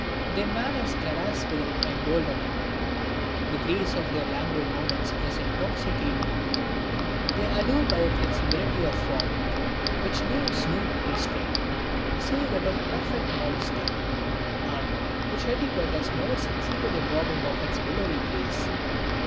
Their manners caress without emboldening; the grace of their languid movements is intoxicating; they allure by a flexibility of form, which knows no restraint, save that of perfect modesty, and which etiquette has never succeeded in robbing of its willowy grace.